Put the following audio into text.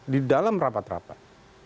di dalam rapat rapat